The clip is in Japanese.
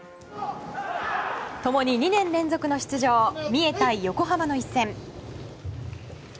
ともに２年連続の出場三重対横浜の一戦。